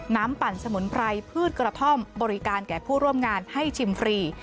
ปั่นสมุนไพรพืชกระท่อมบริการแก่ผู้ร่วมงานให้ชิมฟรี